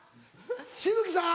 紫吹さん。